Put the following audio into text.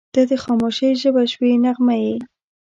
• ته د خاموشۍ ژبه شوې نغمه یې.